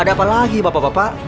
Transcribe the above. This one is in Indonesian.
ada apa lagi bapak bapak